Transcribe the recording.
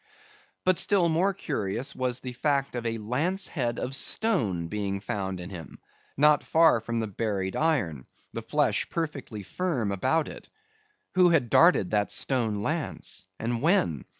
But still more curious was the fact of a lance head of stone being found in him, not far from the buried iron, the flesh perfectly firm about it. Who had darted that stone lance? And when?